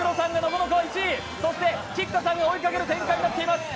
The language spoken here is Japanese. そして、菊田さんが追いかける展開になっています。